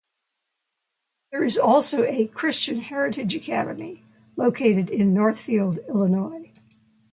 There is also a "Christian Heritage Academy" located in Northfield, Illinois.